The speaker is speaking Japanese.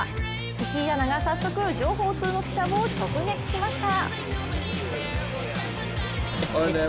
石井アナが早速情報通の記者を直撃しました。